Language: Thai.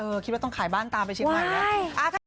เออคิดว่าต้องขายบ้านตามไปชิมใหม่แล้วว้าย